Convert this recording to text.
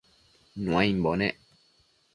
Nuaimbo nec